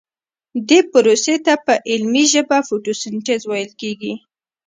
دې پروسې ته په علمي ژبه فتوسنتیز ویل کیږي